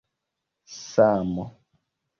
samo